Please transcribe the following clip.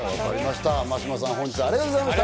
眞島さん、本日はありがとうございました。